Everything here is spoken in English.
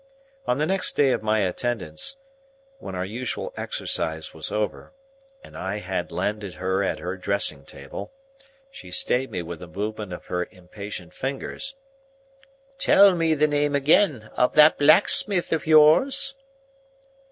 On the next day of my attendance, when our usual exercise was over, and I had landed her at her dressing table, she stayed me with a movement of her impatient fingers:— "Tell me the name again of that blacksmith of yours."